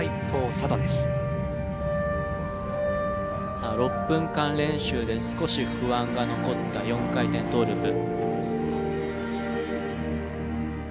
さあ６分間練習で少し不安が残った４回転トーループ。